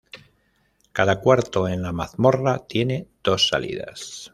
Cada cuarto en la mazmorra tiene dos salidas.